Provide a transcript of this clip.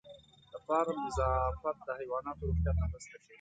د فارم نظافت د حیواناتو روغتیا ته مرسته کوي.